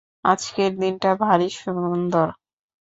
আজকের দিনটা ভারি সুন্দর।